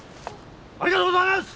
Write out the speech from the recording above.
ありがとうございます！